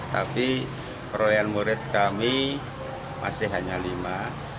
tapi proyek murid kami masih hanya lima